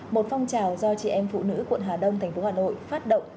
một phong trào do chị em phụ nữ quận hà đông thành phố hà nội phát động